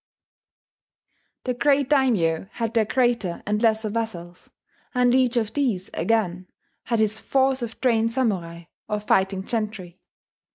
The great daimyo had their greater and lesser vassals; and each of these, again, had his force of trained samurai, or fighting gentry.